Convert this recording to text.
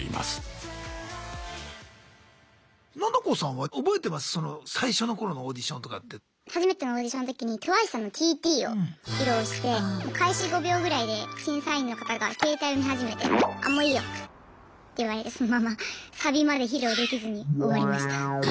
初めてのオーディションの時にＴＷＩＣＥさんの「ＴＴ」を披露して開始５秒ぐらいで審査員の方が携帯見始めて「あもういいよ」って言われてそのままサビまで披露できずに終わりました。